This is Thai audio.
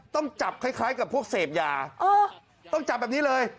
ต้องจับคล้ายกับพวกเสพยาต้องจับแบบนี้เลย